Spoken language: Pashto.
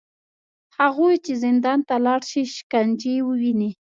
هغوی چې زندان ته لاړ شي، شکنجې وویني